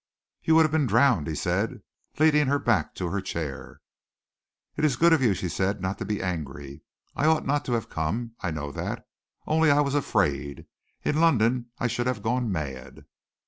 "You would have been drowned," he said, leading her back to her chair. "It is good of you," she said, "not to be angry. I ought not to have come. I know that. Only I was afraid. In London I should have gone mad."